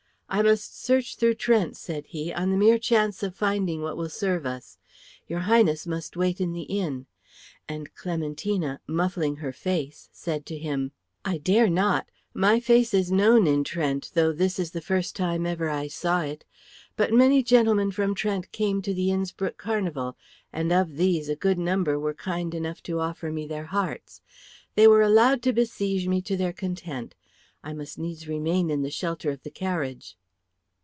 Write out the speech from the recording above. "I must search through Trent," said he, "on the mere chance of finding what will serve us. Your Highness must wait in the inn;" and Clementina, muffling her face, said to him, "I dare not. My face is known in Trent, though this is the first time ever I saw it. But many gentlemen from Trent came to the Innspruck carnival, and of these a good number were kind enough to offer me their hearts. They were allowed to besiege me to their content. I must needs remain in the shelter of the carriage."